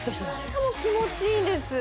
しかも気持ちいいんです